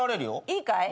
いいかい？